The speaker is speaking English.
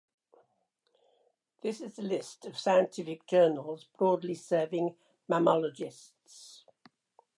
This is a list of scientific journals broadly serving mammalogists.